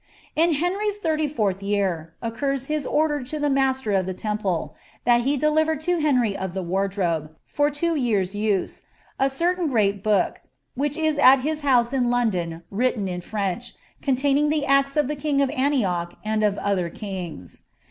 * In Henry's thirty k>urth year, occurs his order to the master of the Temple, ^ that he deliver to Henry of the Wardrobe, for two years' use, I eertain great book, which is at his house in London, written in French, eootaining the acts of the king of Antioch, and of other kings."